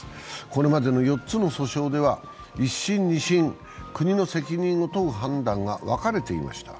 これまでの４つの訴訟では一審、二審、国の責任を問う判断が分かれていました。